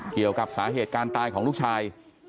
เกี่ยวกับสาเหตุการณ์ตายของลูกชาย